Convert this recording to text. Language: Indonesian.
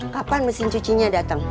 kapan mesin cucinya datang